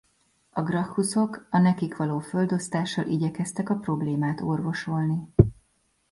A Gracchusok a nekik való földosztással igyekeztek a problémát orvosolni.